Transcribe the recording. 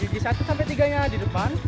jika satu sampai tiganya di depan